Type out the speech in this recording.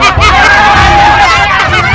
jangan main hakim sendiri